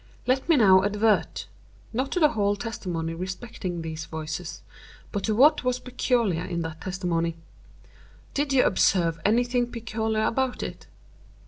Let me now advert—not to the whole testimony respecting these voices—but to what was peculiar in that testimony. Did you observe any thing peculiar about it?"